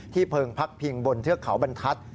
เพลิงพักพิงบนเทือกเขาบรรทัศน์